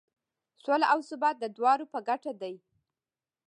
سوله او ثبات د دواړو په ګټه دی.